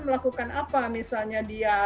melakukan apa misalnya dia